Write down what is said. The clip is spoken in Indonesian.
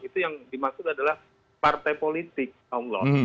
itu yang dimaksud adalah partai politik allah